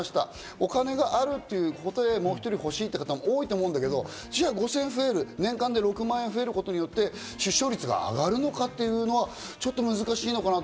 お金があるということで、もう１人欲しいという方も多いと思うんだけど５０００円増える、年間６万円増えることで出生率が上がるのかっていうのはちょっと難しいのかなって。